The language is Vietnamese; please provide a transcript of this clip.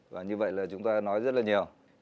và như vậy là chúng ta nói rất là nhiều